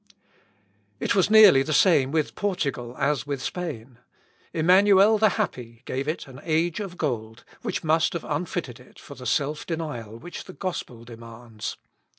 It was nearly the same with Portugal as with Spain. Emmanuel the Happy gave it an age of gold, which must have unfitted it for the self denial which the gospel demands.